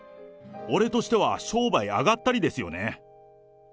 俺としては商売あがったりですよね。